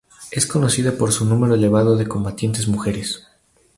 Es conocida por su número elevado de combatientes mujeres.